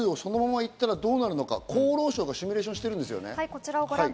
その人数をそのまま行ったらどうなるのか、厚労省がシミュレーションしてますね。